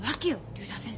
竜太先生。